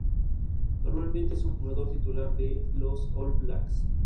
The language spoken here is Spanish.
Normalmente es un jugador titular de los All Blacks.